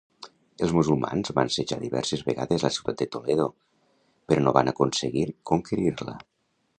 Els musulmans van assetjar diverses vegades la ciutat de Toledo, però no van aconseguir conquerir-la.